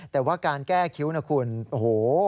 แต่ว่าการแก้คิ้วนะคุณโอ้โห